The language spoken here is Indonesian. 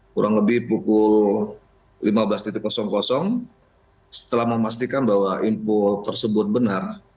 kurang lebih pukul lima belas setelah memastikan bahwa info tersebut benar